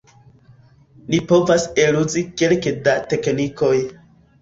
Ni povas eluzi kelke da teknikoj.